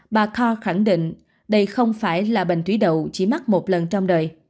bà carr khẳng định đây không phải là bệnh thủy đậu chỉ mắc một lần trong đời